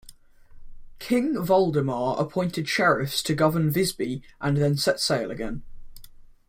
King Valdemar appointed sheriffs to govern Visby and then set sail again.